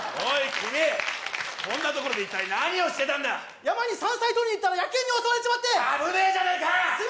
君こんなところで一体何をしてたんだ山に山菜とりにいったら野犬に襲われちまってあぶねえじゃねえかすいません